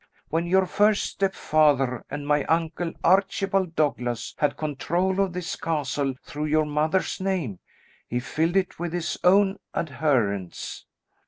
When your first step father, and my uncle, Archibald Douglas, had control of this castle through your mother's name, he filled it with his own adherents."